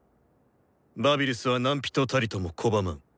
バビルスは何人たりとも拒まん。